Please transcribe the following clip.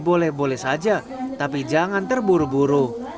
boleh boleh saja tapi jangan terburu buru